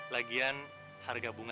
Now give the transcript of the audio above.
lagian harga bunga